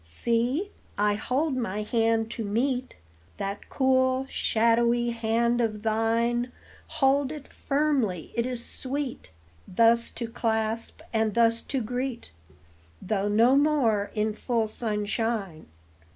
See, I hold my hand to meet That cool, shadowy hand of thine; Hold it firmly, it is sweet Thus to clasp and thus to greet, Though no more in full sunshine.